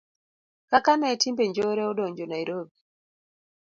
kaka ne timbe njore odonjo Nairobi